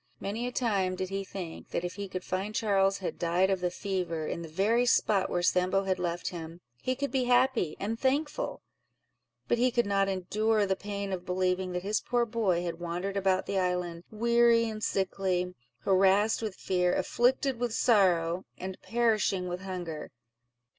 Many a time did he think, that if he could find Charles had died of the fever, in the very spot where Sambo had left him, he could be happy and thankful; but he could not endure the pain of believing that his poor boy had wandered about the island, weary and sickly, harassed with fear, afflicted with sorrow, and perishing with hunger.